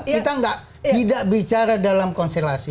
kita tidak bicara dalam konstelasi